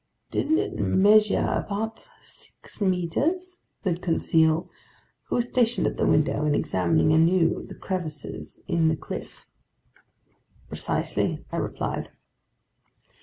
"Didn't it measure about six meters?" said Conseil, who was stationed at the window and examining anew the crevices in the cliff. "Precisely," I replied.